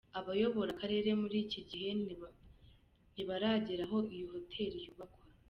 Abayobora akarere muri iki gihe ntibaragera aho iyo hoteli yubakwa